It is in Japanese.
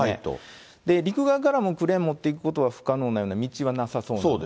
陸側もクレーン持っていくことは不可能なような道はなさそうなので。